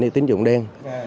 tín dụng đen